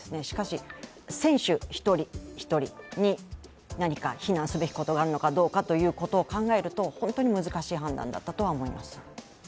しかし、選手一人一人に何か非難すべきことがあるかと考えると本当に難しい判断だったとは思います。